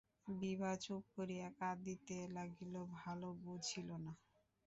বিভা চুপ করিয়া কাঁদিতে লাগিল, ভালো বুঝিল না।